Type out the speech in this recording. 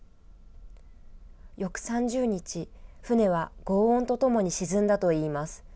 翌３０日、船はごう音とともに沈んだといいます。